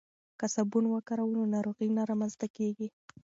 که صابون وکاروو نو ناروغۍ نه رامنځته کیږي.